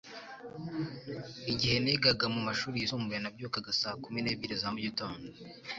Igihe nigaga mumashuri yisumbuye, nabyukaga saa kumi n'ebyiri za mugitondo.